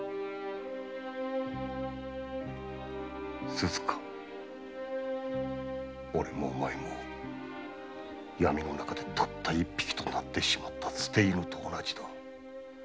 鈴加おれもお前も闇の中でたった一匹となってしまった捨て犬と同じだ。